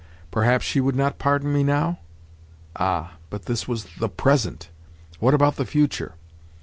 Perhaps she would not pardon me now? Ah, but this was the present. What about the future?